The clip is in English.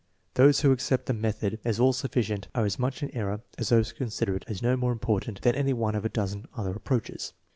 Those who accept the method as all sufficient are as much in error as those who consider it as no more important than any one of a dozen other ap proaches.